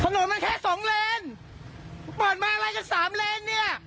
ถนนมันแค่๒เลนเปิดมาอะไรกัน๓เลน